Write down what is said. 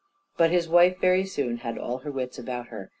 But his wife very soon had all her wits about her.